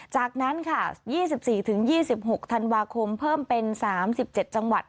จากนั้นค่ะ๒๔๒๖ธันวาคมเพิ่มเป็น๓๗จังหวัด